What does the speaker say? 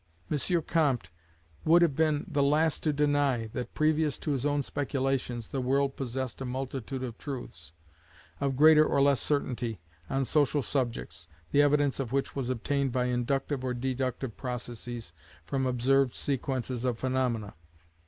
M. Comte would have been the last to deny that previous to his own speculations, the world possessed a multitude of truths, of greater or less certainty, on social subjects, the evidence of which was obtained by inductive or deductive processes from observed sequences of phaenomena.